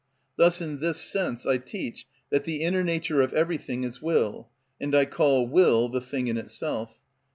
Thus in this sense I teach that the inner nature of everything is will, and I call will the thing in itself.